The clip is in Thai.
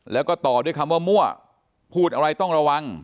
แล้วก็ต่อด้วยคำว่ามั่วพูดอะไรต้องระวัง